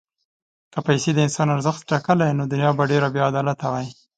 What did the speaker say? که پیسې د انسان ارزښت ټاکلی، نو دنیا به ډېره بېعدالته وای.